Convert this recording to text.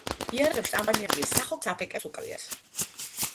იარაღებში წამყვანი ადგილი სახოკ-საფხეკებს უკავიათ.